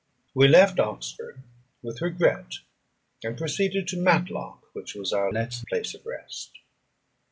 We left Oxford with regret, and proceeded to Matlock, which was our next place of rest.